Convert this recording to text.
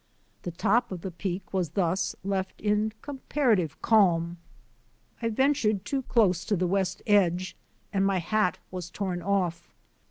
The top of the Peak was thus left in comparative calm. I ventured too close to the west edge, and my hat was torn off.